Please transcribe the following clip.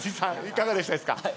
いかがでした？